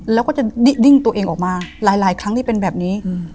แล้วก็จะดิ้งตัวเองออกมาหลายครั้งที่เป็นแบบนี้